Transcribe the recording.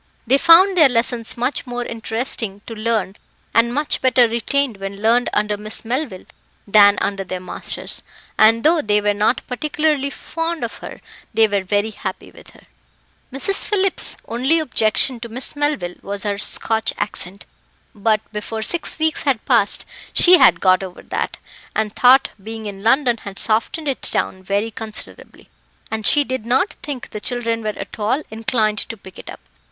They found their lessons much more interesting to learn and much better retained when learned under Miss Melville than under their masters; and though they were not particularly fond of her, they were very happy with her. Mrs. Phillips's only objection to Miss Melville was her Scotch accent; but, before six weeks had passed she had got over that, and thought being in London had softened it down very considerably, and she did not think the children were at all inclined to pick it up.